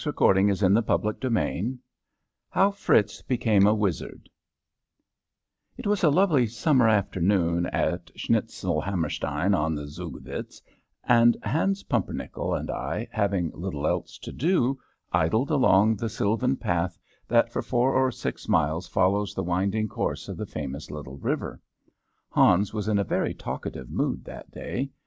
How Fritz Became a Wizard How Fritz Became a Wizard [Illustration: Decorative I] t was a lovely summer afternoon at Schnitzelhammerstein on the Zugvitz, and Hans Pumpernickel and I, having little else to do, idled along the sylvan path that for five or six miles follows the winding course of the famous little river. Hans was in a very talkative mood that day.